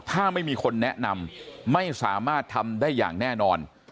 ถ้าไม่มีคนแนะนำไม่สามารถทำได้อย่างแน่นอน